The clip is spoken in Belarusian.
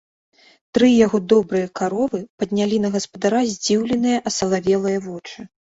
Тры яго добрыя каровы паднялі на гаспадара здзіўленыя асалавелыя вочы.